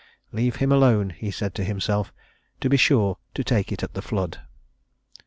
Leave him alone he said to himself to be sure to take it at the flood.